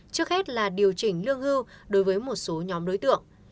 trước hết là điều chỉnh lương hưu đối với một số nhóm đối tượng